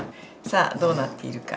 さあどうなっているか？